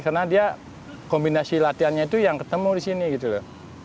karena dia kombinasi latihannya itu yang ketemu di sini gitu loh